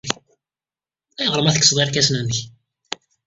Ulayɣer ma tekksed irkasen-nnek.